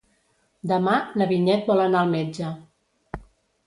Demà na Vinyet vol anar al metge.